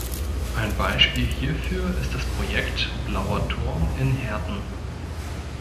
Ein Beispiel hierfür ist das Projekt „Blauer Turm“ in Herten.